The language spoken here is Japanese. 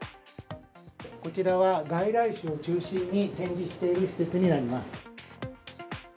こちらは、外来種を中心に展示している施設になります。